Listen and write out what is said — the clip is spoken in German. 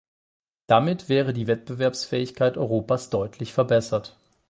Damit wäre die Wettbewerbsfähigkeit Europas deutlich verbessert.